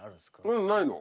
ううんないの。